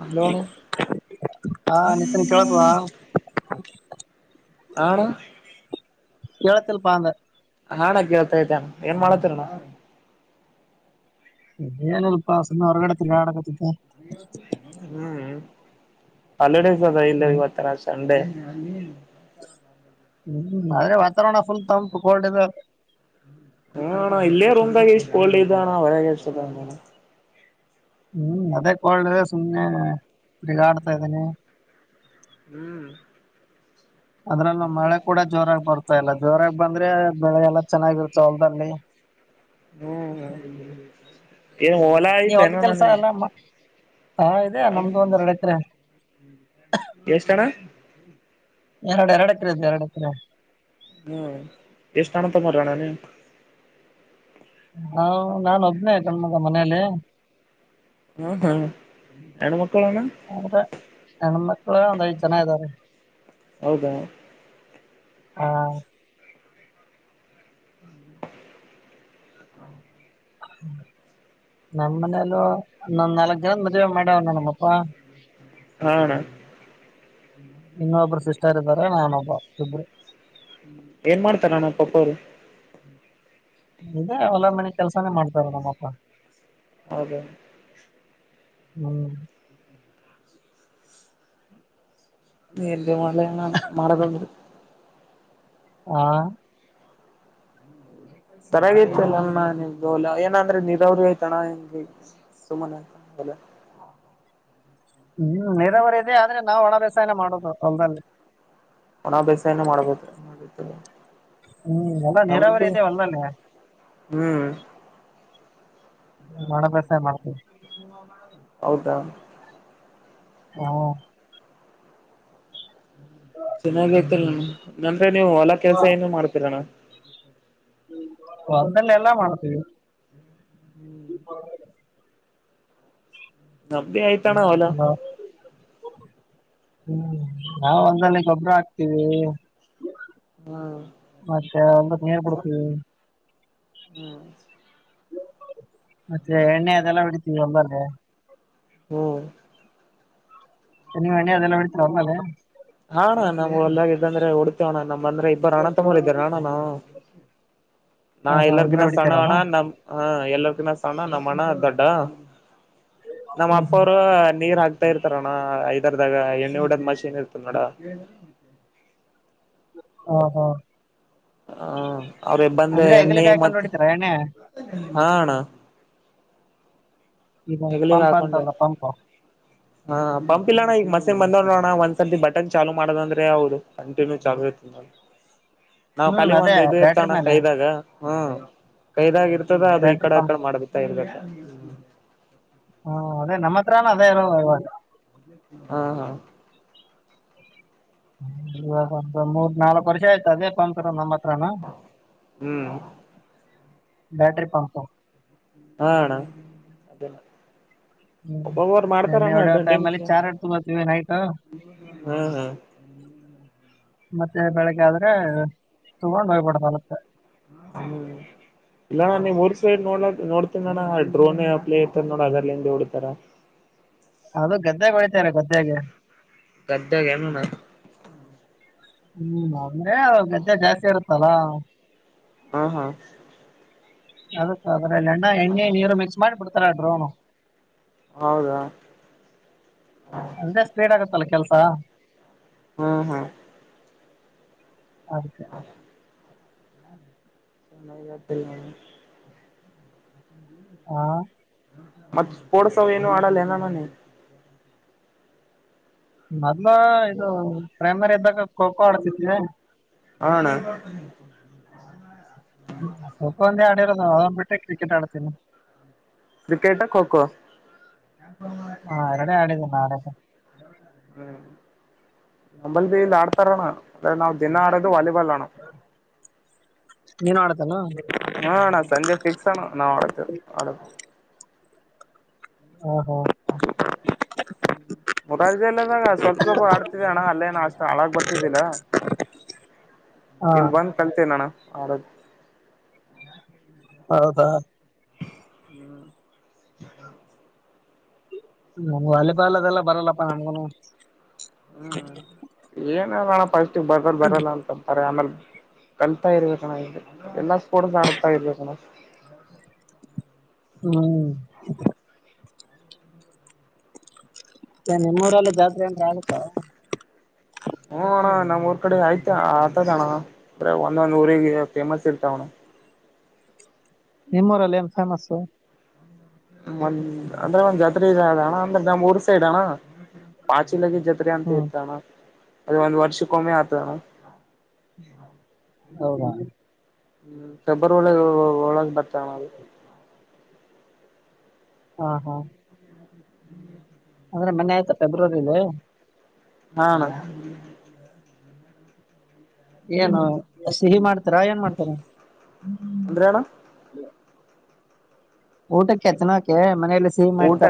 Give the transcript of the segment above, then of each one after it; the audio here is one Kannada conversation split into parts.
ಹಲೋ ಅಣ್ಣ ಹಾ ನಿನ್ ಕೇಳತ [inaudible] ಆಣ ಇಳತ್ತ ಪಾಂಗ ನಾ ಕೇಳ್ತ ೈತೆ ಏನ್ ಮಾಡತ್ತರ ನ ಏನಲ್ಪಾ ಸುಮ್ಮ್ ಹೊರಗಡೆ ತಿಕ ಹ್ಮ್ ಹಾಲಿಡೇಸ್ ಅದ ಇಲ್ಲ ಹ್ಮ್ ಇವತ್ತಿನ ಸಂಡೆ ಹ ಹ್ಮ್ ಆದ್ರೆ ವಾತಾವರಣ ಫುಲ್ ತಂಪು ಕರ್ಡದು ಹ ಅಣ ಇಲ್ಲೇ ರೂಮ್ದಾಗ ಇಷ್ಟು ಕೋಲ್ಡ್ ಇದ ಅಣ್ಣ ಹೊರಗಸದಣ ಹ್ಮ್ ಅದೇ ಕಳ್ಳ ಸುಮಮ್ಮನೆ ಪುಡಿಗಾಡ್ತಾ ಇದ್ದೀನಿ ಹ್ಮ್ ಅದ್ರಲ್ಲ ಮಳೆ ಕೂಡ ಜೋರಾಗಿ ಬರ್ತಾ ಇಲ್ಲ ಜೋರಾಗಿ ಬಂದ್ರೆ ಬೆಳೆ ಎಲ್ಲ ಚೆನ್ನಾಗಿರುತ್ತೆ ಹೊಲ್ದಲ್ಲಿ. ಹ್ಮ್ ಹ್ಮ ಏನ್ ಓಲ ನೀವ್ ಆಯ್ತು ಹೊಲ್ದ ಕೆಲ್ಸ ನಿಮ್ದು. ಎಲ್ಲ ಹಾ ಇದೆ ನಮ್ದು ಒಂದ್ ಎರಡು ಎಕ್ರೆ. ಎಷ್ಟ ಅಣ್ಣ ಎರಡು ಎರಡು ಎಕ್ರೆ ಎರಡು ಎಕರ. ಹ್ಮ ಎಷ್ಟ [unintelligible] ಮರಣಾನ ಹಾ ನಾ ಒಬನೇ ಗಂಡುಮಗ ಮನೇಲಿ. ಹಾ ಹಾ ಹೆಣ್ಣು ಮಕ್ಕಳಣ. ಹ ಒಂದ ಐದು ಜನ ಇದ್ದಾರೆ. ಹೌದಾ. ಹಾ ಹ್ಮ. ಹೌ [inaudible] [inaudible] ನಮ್ಮ್ ಮನೇಲ್ಲ [unintelligible] ನಾಲ್ಕ ಗ್ರದ ಮದ್ವೆೆ ಮಾಡವಣ ನಮ್ಮಪ್ಪಾ. ಹಾ ಇನ್ನ ಒಬ್ಬರು ಸಿಸ್ಟರ್ ಇದ್ದಾರೆ ನಾನೊಬ್ಬ ಇಬರು ಏನ್ ಮಾಡ್ತಾರ ನಮ್ ಪಪ್ಪ ಅವರು. ಇ ಹೊಲ ಮನೆ ಕೆಲ್ಸಾನೇ ಮಾಡ್ತಾರ ನಮ್ಮಪ್ಪ. ಹೌದ. ಹ್ಮ್ ಎಲ್ಲಿ ಮಾಡ್ಲೇ ನನ್ ಮಾಡೋ ಹಾಗಿದ್ರೆ. ಹಾ ಸರ ತಲ್ಲಣ ನಿದೋಲ ಏನಂದ್ರೆ ನೀರವ್ರಿ ಆಯ್ತಣ [inaudible] ಸುಮನೆ ಹ್ಮ್ ನೀರಾವರಿ ಇದೆ ಆದ್ರೆ ನಾವ್ ಒಣ ಬ್ಯಸನ ಮಾಡುದು ಹೊಲ್ದಲ್ಲಿ. ಒಣ ಬೇಸಾಯನೇ ಮಾಡಬೇಕು. ಹ್ಮ್ ಎಲ್ಲಾ ನಿರಾವರಿ ಆಯ್ತೆ ಹೊಲದಲ್ಲಿ. ಹ್ಮ್ ಒಣ ಬೇಸಾಯ ಮಾಡ್ತೀವಿ. ಹೌದಾ ಹ ಚೆನ್ನಾಗ ತಿ ನ ನನ ರಿ ನೀವು ಹೊಲಾ ಕೆಲ್ಸ ಏನು ಮಾಡ್ತೀರಣ. ಹ ಅದಲ್ಲ ಎಲ್ಲಾ ಮಾಡ್ತೀವಿ. ರಬ್ಬಿ ಆಯ್ತಣ್ಣ ವಲ ನಾವು. ಹ್ಮ್ ನಾವ ಹೊಲದಲ್ಲಿ ಗೊಬ್ಬರ ಹಾಕ್ತಿವಿ. ಹಾ ಅಂದ ನೀರ್ ಬಿಡ್ತೀವಿ. ಹ್ಮ್ ಮತ್ತೆ ಎಣ್ಣೆ ಅದೆಲ್ಲ ಬಿಡಿತೀವಿ ಒಂದಲ್ಲ. ಹ್ಮ್ ಮ್ ಎಣ್ಣ ಅದೆಲ್ಲ ಹೊಡಿತೀರ ಹೊಲದಲ್ಲಿ. ಹಣ ನಮ್ ಹೊಲ್ದಾಗ ಇದಂದ್ರೆ ಹೊಡ್ತೇವಣ ನಮ್ ಅಂದ್ರೆ ಇಬ್ಬ ರಣ ತಮ್ಮರ್ ಇದ್ದ್ರ ರಣನ. ನಾ ಹಾ ಹಾ ಇಬ್ರು ಎಲ್ಲರಿಗಿನ ಸಣ್ಣ ಹೊಡಿತೀರಲ್ಲ ಹಣ ನಮ ಹ. ಎಲ್ಲರ್ಗಿನ ಸಣ ನಮ್ಮ್ ಅಣ್ಣ ದೊಡ್ಡ ನಮ್ಮ್ ಹ್ಮ್ ಅಪ್ಪ ಹ್ಮ್ ಅವರು ನೀರ್ ಹಾಕ್. ತ ಇರ್ತಾರಣ ಐದರ್ದಾಗ ಎಣ್ಣೆ ಡದ್ ಮಷಿ ಏನ್ ಇರ್ತದ ನೋಡ. ಹಾ ಹಾ ಹ ಅವ್ರಿಗೆ ಬಂದ ಅಂದ್ರೆ ಎಣ್ಣೆ ಹೆಗಲಿಗೆ ಹಾಕೊಂಡು ಮತ್ ಹೊಡಿತೀರಾ ಎಣ್ಣೆ ಹ ಅಣ. ಇದು ಪಂಪ ಹಾಕೊಂಡೆ ಅಂತಲ್ಲ ಪಂಪ. ಹಾ ಪಂಪ್ ಇಲ್ಲಣ್ಣ ಈಗ ಮಸನ್ ಬಂದೋ ನೋಣ್ಣ ಒಂದ್ಸರ್ತಿ ಬಟನ್. ಚಾಲು ಮಾಡೋದ ಅಂದ್ರೆ ಹೌದು ಕಂಟಿನ್ಯೂ ಚಾಲು ಇತ್ತು ನ ನಾವ್ ಹ್ಮ್ ಕಲಿಗ್ ಅದೇ ಒಂದ್ ಇದು ಬ್ಯಾಟ್ರಿ ಇರ್ತೋಣ ಮೇಲೆ ಕೈದಾಗ. ಹ್ಮ ಕೈದಾಗಿ ಇರ್ತದ ಅದು ಬ್ಯಾಟ್ರಿ ಈಕಡ ಆಕಡೆ ಪಂಪ್ ಮಾಡಬೇಕತ್ತ ಇರ್ಬೇಕ ಹಾ ಅದೇ ನಮ್ಮತ್ರಾನ ಅದೇ ಇರೋದು ಇವಾಗ ಹಾ ಹಾ ಇವಗ ಒ ಮೂರ್ ನಾಲ್ಕ್ ವರ್ಷ ಆಯ್ತು ಅದೇ ಪಂತರ ನಮ್ಮತ್ತ ಹ್ಮ್ ಬ್ಯಾಟರಿ ಪಂಪು ಹಾ ಅಣ್ಣ ಹ್ಮ್ ಒಬ್ಬೊಬ್ರು ಮಾಡ್ತಾರ ಎಣ್ಣೆ ಅಣ್ಣ ಹೊಡೆಯೋ ಅಲ್ಲಿ [unintelligible] ಚಾರ್ಜ್ ತಗೋತೀವಿ ನೈಟ್ ಹ್ಮ್ ಹಾ ಮತ್ತೆ ಬೆಳಿಗ್ಗೆ ಆದ್ರೆ ತುಗೊಂಡು ಹೋಗ್ಬಡದ ಹೊಲಕ್ ಹ್ಮ್ ಇಲ್ಲ ಅಣ್ಣ ನೀಮ ಊರ್ ಸೈಡ್ ನೋಡ ನೋಡ್ತೀ ಅಣ್ಣ ಆ ಡ್ರೋನ್ ಪ್ಲೇ ಇರ್ತ ನೋಡ ಅದರ್ಲ್ಲಿ ಹಿಂದ ಹೊಡತಾರ ಅದು ಗದ್ದೆಗ ಹೊಯಿತಾರ ಗದ್ದ್ಯಾಗ್ ಗದ್ದ್ಯಾಗ್ ಏನ್ ಹ್ಮ್ ಅಂದ್ರೆ ಗದ್ಯಗ್ ಜಾಸ್ತಿ ಇರುತ್ತಲ್ಲ ಹಾ ಹಾ ಅದಕ್ಕೆ ಅದ್ರಲ್ಲ ಅಣ್ಣ ಹೆಣ್ಣೆ ನೀರು ಮಿಕ್ಸ್ ಮಾಡಿ ಬಿಡ್ತಾರ ಬ್ರೋ ಹೌದಾ ಅದೆ ಸ್ಪೀಡ್ ಆಗತ್ತಲ್ಲ ಕೆಲ್ಸ ಹಾ ಹಾ ಹ ಸ [unintelligible] ನ್ನ ಆತ ಮ ಹಾ ಮತ್ತ ಸ್ಪೋರ್ಟ್ಸ್ ಅವ ಏನು ಆಡಲ್ಲ ನ ಅಣ್ಣ ನಿ ಮೊದ್ಲ ಇದು ಪ್ರೈಮರಿ ಇದ್ದಾಗ ಖೋಖೋ ಆಡ್ತತಿದಿವಿ ಹಾ ಅಣ್ಣ ಖೋಖೋ ಅಂದ ಆಡಿರೋದು ಆರಾಮ್ ಬಿಟ್ಟೆ ಕ್ರಿಕೆಟ್ ಆಡ್ತೀನ ಕ್ರಿಕೆಟ್ ಖೋಖೋ. ಹ ಎರಡೆ ಆಡಿದೆ ನಾಡ [unintelligible] ಹ್ಮ್ ನಂಬಲ್ ಇಲ್ಲಿ ಆಡ್ತಾರಣ ಅಂದ್ರೆ ನಾವ್ ದಿನ ಆಡೋದು ವಾಲಿ ಲ್ಲ ನೀನು ಆಡ್ತೇನು [unintelligible] ಹಾ ಅಣ್ಣ ಸಂಜೆ ಫಿಕ್ಸ್ ಆಣ ನಾವು ಅಡ ಅಡ ಹಾ ಮುರಾರಾಜಿಲ್ಜಲ್ಲದಾಗ ಸ್ವಲ್ಪ ಸ್ವಲ್ಪ ಆಡ್ತಿದ್ದ ಅಣ್ಣ ಅಲ್ಲೇನ ಅಷ್ಟ್ ಹಾಗ್ ಬರ್ತಿದ್ದಿಲ್ಲ [unintelligible] ಹಾ ಇಲ್ಲಿ ಬಂದ ಕಲ್ತ ನಣ ಆರ ಹೌದಾ ಹ್ಮ್ ವಾಲಿಬಾಲ್ ಅದೆಲ್ಲ ಬರಲ್ಲಪ್ಪ ನಮಗನು ಹ್ಮ್ ಏನಲ್ಲಣ ಫಸ್ಟ್ ಬರಲ್ ಬರಲ್ಲ ಅಂತಂತಾರೆ ಆಮೇಲ್ ಕಲ್ತಾ ಇರ್ಬೇಕಣ್ಣ ಇ ಎಲ್ಲಾ ಸ್ಪೋರ್ಟ್ಸ್ ನತಾ ಇರ್ಬೇಕಣ್ಣ ಹ್ಮ್ ಚ ನಿಮ್ಮ ಊರಲ್ಲಿ ಜಾತ್ರೆ ಅಂದ್ರೆ ಆಗುತ್ತಾ ಹ್ಮ ಅಣ್ಣ ನಮ್ ಊರ್ ಕಡೆ ಆಯ್ತ ಆತದ ಅಣ್ಣ ಅಂದ್ರೆ ಒಂದೊಂದ್ ಊರಿಗೆ ಫೇಮಸ್ ಇರ್ತಾವಣ ನಿಮ್ಮ ಉರಲ್ಲಿ ಏನ್ ಫೇಮಸ್ ಒಂದ್ ಅಂದ್ರೆ ಒಂದ್ ಜಾತರಿ ಇದೆ ಅಣ್ಣ ಅಂದ್ರೆ ನಮ್ಮ್ ಊರ್ ಸೈಡ್ ಅಣ್ಣ ಬಾ ಚೀಲಗೆ ಜತ್ರೆ ಅಂತ ಹ್ಮ್ ಇರ್ತಾನ ಅದ ಒಂದ್ ವರ್ಷಕ್ಕೊಮ್ಮೆ ಆತದ ಅಣ್ಣ ಹೌದಾ ಹ್ಮ್ ಪೆಬ್ರವರಿ ಒಳಗೆ ಬರ್ತದು ಹಾ ಹಾ ಹ್ಮ್ ಅಂದ್ರೆ ಮನೆ ಆಯ್ತಾ ಫೆಬ್ರವರಿಲಿ ಹಾ ಏನು ಸಿಹಿ ಮಾಡ್ತಾರಾ ಏನ್ ಮಾಡ್ತಾರ ಅಂದ್ರೆ ಅಣ್ಣ ಊಟಕ್ಕೆತನ ಕೆ ಊಟ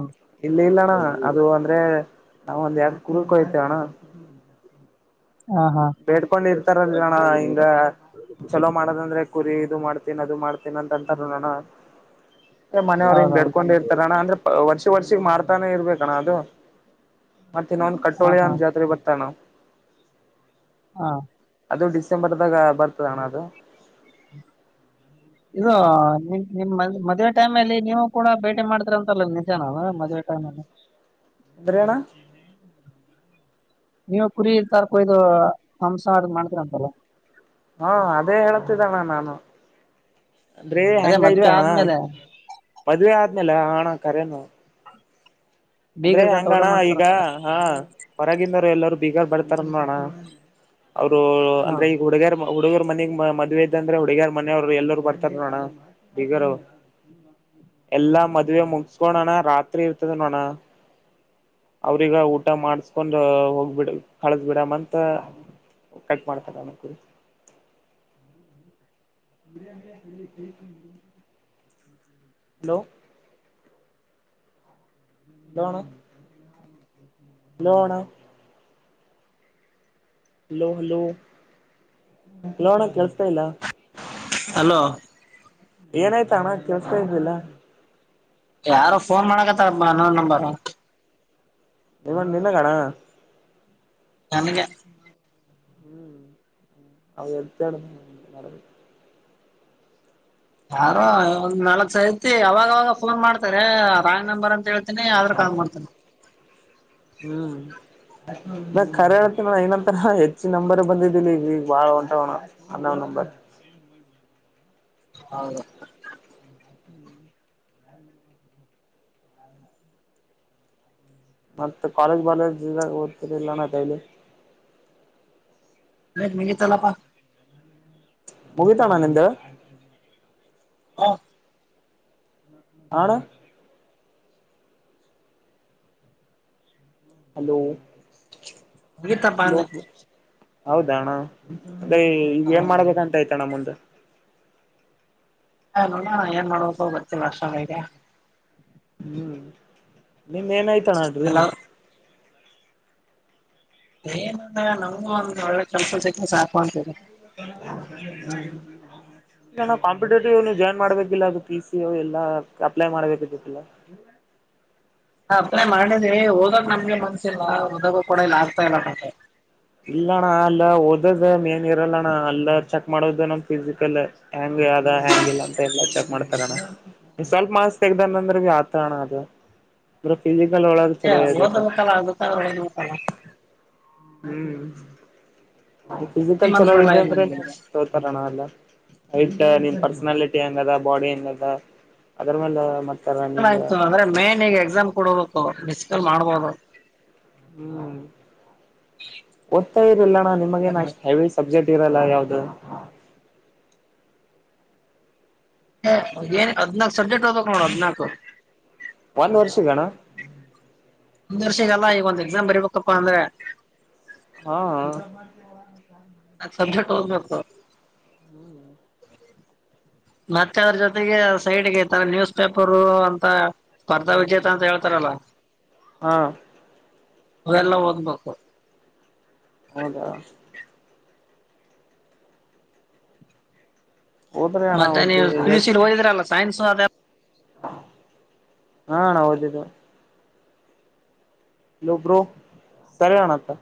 ಅಂತ? ಇಲ್ಲ ಇಲ್ಲಣ್ಣ ಅದು ಅಂದ್ರೆ ನಾವ ಒಂದ್ ಯಾರ್ ಕುರ್ಕಯ್ತೇವಣ್ಣ ಹಾ ಹಾ ಬೇಡ್ಕೊಂಡ್ ಇರ್ತಾರಲ್ರೋಣ ಹಿಂಗ ಚಲೋ ಮಾಡೋದಂದ್ರೆ ಕುರಿ ಅದು ಮಾಡ್ತೇನ್ ಅದು ಮಾಡ್ತೇನ ಅಂತ ಅಂತಾರ ನೋಣ ಮನೆಯವ್ ಹಿಂಗ್ ಹೌದೌದು ಬೆಡ್ಕೊಂಡಿ ಇರ್ತಾರಣ್ಣ ಅಂದ್ರೆ ವರ್ಷ ವರ್ಷಿ ಮಾಡ್ತಾನೆ ಇರ್ಬೇಕಣ್ಣ ಅದು ಮತ್ತೆ ಇನ್ನೊಂದ್ ಹಾ ಕಟ್ಟೋಳೆ ಹಾ ಅಂದ್ ಜಾತ್ರೆ ಬರ್ತ ನಾ ಹಾ ಇದು ಡಿಸೆಂಬರ್ದಾಗ ಬರ್ತದಣ್ಣ ಅದು ಇದಾ ನಿಮ ನಿಮ ಮದ್ವೆ ಟೈಮ್ಲ್ಲಿ ನೀವು ಕೂಡ ಭೇಟಿ ಮಾಡ್ತ್ರ ಅಂತಲ್ಲ ನಿಜಾನ ಮದ್ ಟೈಮ ಅಲ್ಲಿ [inaudible] ಬ್ರೇಣ ನೀವು ಕುರಿ ತಾರ್ಕಯ್ದ ಹಂಸ ಅ ಮಾಡ್ತರಂತಲ್ಲ ಹಾ ಅದೇ ಹೇತಿದ್ದಣ್ಣ ನಾನು ಅಂದ್ರೆ ಅದೇ ಮದ್ವೆ ಹೆಂಗಾಯ್ತ ಅಣ ಆದ್ಮೇಲೆ ಮದ್ವೆ ಆದ್ಮೇಲ ಹಣ ಕರೇನು ಅಂದ್ರೆ ಬೀಗರ್ಗಂತ ಊಟ ಹಂಗಣ್ಣ ಈಗ ಮಾಡ್ತಾರಂತಲ್ಲ ಹಾ ಹೊರಗಿಂದವರು ಎಲ್ಲರ ಬೀಗಾರ್ ಬಡ್ತಾರನ್ ಮಾಡೋಣ ಅವರು ಹ ಅಂದ್ರೆ ಈಗ ಹುಡುಗರ್ ಹುಡುಗರ್ ಮನಗ್ ಮ ಮದ್ವೆ ಇದ್ದ ಅಂದ್ರೆ ಹುಡುಗಿಯರ್ ಮನೆಯವರು ಎಲ್ಲರು ಬರ್ತಾರ ನೋಣ ಬಿಗರು ಎಲ್ಲಾ ಮದ್ವೆ ಮುಗಸ್ಕೋಣ ರಾತ್ರಿ ಇರ್ತದ ನೋಣ [inaudible] ಅವ್ರಿಗ ಊಟ ಮಾಡಸ್ಕೊಂಡ ಹೋಗ್ಬಿಡ ಕಳಸ್ಬಿಡಮ್ಮಂತ ಕಟ್ ಮಾಡ್ತಾರಣಕ್ಕ [inaudible] ಹಲೋ ಲೋಣ ಲೋಣ ಹಲೋ ಹಲೋಲೋಣ ಕೆಲ್ಸತಾ ಇಲ್ಲ ಹಲೋ ಏನಾಯ್ತ ಅಣ್ಣ ಕೆಸ್ತಾ ಇದರ್ಲ್ಲ ಯಾರು ಫೋನ್ ಮಾಡಕತ್ತ ಅಬ್ಬ ನೋ ನಂಬರ್ ನಿವನ್ ನಿನ್ನ ಕಣ ಚಮಗೆ ಹ್ಮ್ ಅವ ಎಡ್ತ ಯಾರೋ ಒಂದ್ ನಲ್ಕಕ್ ಸೈತಿ ಅವಾಗ ಅವವಾಗ ಫೋನ್ ಮಾಡ್ತಾರೆ ರಾಂಗ್ ನಂಬರ್ ಅಂತ ಹೇಳ ಅನ್ನ ಯಾವ್ದ್ರ ಕಾಲ ಮಾಡ್ತೇನೆ ನ ಕರೆ ಹೇಳ್ತನಣ ಏನಂತ ಹೆಚ್ಚ ನಂಬರ್ ಬಂದಿದ್ದಿಲ್ಲ ಈಗ ಈಗ ಬಾಳ ಹೊಂಟ ಹೋಣ ಅನ್ನವ್ ನಂಬರ್ [inaudible] ಹೌದ ಮತ್ತೆ ಕಾಲೇಜ್ ಬಾಲೇಜ್ ಇದಾಗ ಓದತರಿಲ್ಲಾನ ಕೈಲಿ ಹ ಮಗೆ ತಲ್ಲಪ್ಪಾ ಮುಗೀತಾಣಾನ ಎಂದ ಹಾ ಹಣ ಹಲೋ ಹಗಿತ್ತಪ್ಪ ಅಂದ ಹಲೋ ಹೌದಣ ಅ ಈಗ ಏನ್ ಮಾಡ್ಬೇಕಂತ ಆಯ್ತಣ ಮುಂದ ಹಲ್ಲ ಏನ್ ಮಾಡ್ಬೇಕದು ಗತ್ತೀ ವರ್ಷಗೆ ಹ್ಮ್ ನಿಮ ಏನಾಯ್ತ ಡ್ರೀಮ್ ಹಲೋ ಏನಿಲ್ಲ ಅಣ್ಣ ನಮಗೊಂದು ಒಳ್ಳೆ ಕೆಲಸ ಸಿಕ್ಕಿದರೆ ಸಾಕು ಅಂತೀನಿ [inaudible] ಕಾಂಪಿಟೇಟಿವ್ ಜಾಯನ್ ಮಾಡ್ಬೇಕಿಲ್ಲ ಅದು ಪಿ ಸಿ ಎಲ್ಲ ಅಪ್ಲೈ ಮಾಡ್ಬೇಕಲ್ಲ [inaudible] ಹ ಹ ಮಾಡಿದಿ ಹಓದಾಗ ನಮ್ಗೆ ಮನ್ಸಿಲ್ಲಓದಾಗ ಕೂಡ ಇಲ್ಲ ಆಗ್ತಾ ಇಲ್ಲ ಮೆ ಇಲ್ಲಣ್ಣ ಅಲ್ಲ ಓದದ ಏನ್ ಇರಲ್ಲಣ್ಣ ಅಲ್ಲ ಚೆಕ್ ಮಾಡೋದು ನಮ್ ಫಿಸಿಕಲ್ಂಗ ಅದ ಹ್ಯಾಂಗಿಲ್ಲ ಅಂತ ಎಲ್ಲ ಚೆಕ್ ಮಾಡ್ತಾರಣ್ಣ ಸ್ವಲ್ಪ ಮಾಸ್ ತೆಗ್ದಾರಂದ್ರೆ ಭ ಆತ ಅಣ್ಣ ಅದು ಬ್ರೋ ತಿಂಡಿ ಹ ಓದಬೇಕಲ್ಲ ಅದ ಓದಬೇಕಲ್ಲ ಹ್ಮ್ ಫಿಸಿಕಲ್ ಮನ್ಸ ಬರ್ಲ ಚಲೋಗಿದೆ ಇಲ್ಲ ಅಂದ್ರೆ ನನ್ಗೆ ತೋತರೋಣ ಎಲ್ಲ ಹಟ್ ನಿನ್ ಪರ್ಸನಾಲಿಟಿ ಹೆಂಗ ಅದ ನಿನ್ ಬೋಡಿ ಹೆಂಗದ ಅದ್ರ ಮೇಲೆ ಮತ್ತ ಚ ಆಯ್ತು ಅಂದ್ರೆ ಮೇನ್ ಈಗ ಎಕ್ಸಾಮ್ ಕೊಡೋದ ಬಿಸಿಕಲ್ ಮಾಡ್ಬೋದು ಹ್ಮ್ ಓದ್ತಾ ಇರಲ್ಲಣ್ಣ ನಿಮಗೇನ್ ಅಷ್ಟು ಹೆವಿ ಸಬ್ಜೆಕ್ಟ್ ರಲ್ಲ ಯಾವ್ದು ಏನ್ ಹದ್ನಾಕ್ ಸಬ್ಜೆಕ್ಟ್ ಅತ ಕಣ ಹದ್ನಾಕ್ ಒಂದ್ ವರ್ಷಗಣ ಒಂದ ವರ್ಷಗಲ್ಲಾ ಈಗ ಒಂದ್ ಎಕ್ಸಾಮ್ ಬರಿಬೇಕಪ್ಪ ಅಂದ್ರೆ ಹಾ ಹ ಅ ಹದ್ನಾಲ್ಕು ಸಬ್ಜೆಕ್ಟ್ ಹೋಗ್ಬೇಕು ಮತ್ತೆ ಅದ್ರ ಜೊತೆಗೆ ಸೈಡ್ಗೆ ಇತರ ನ್ಯೂಸ್ ಪೇಪರ್ ಅಂತ ಸ್ಪರ್ಧಾ ವಿಜೇತ ಅಂತ ಹೇಳ್ತಾರ ಲ್ಲ [unintelligible] ಹಾ ಅವೆಲ್ಲ ಹೋಗ್ಬೇಕು ಹೌದಾ ಹೋದ್ರಿ ಅಣ್ಣ ಮತ್ತೆ ನೀ ಹೋದ್ರಿ ಪಿಯುಸಿ ಎಷ್ಟ್ ಹೋದಿದ್ರಲ್ಲ ಸೈನ್ಸ್ ಅ ಹಾ ನಾ ಓದಿದ್ದು ಲ್ಲೊ ಬ್ರೋ ಸರಿ ಅಣತ್ತ